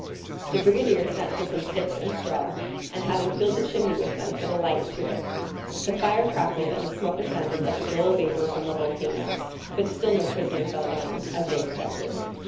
The brigadier sent for some sticks and straw, and having filled the chimney with them, set a light to it. The fire crackled, and the smoke ascended like the dull vapor from a volcano; but still no prisoner fell down, as they expected.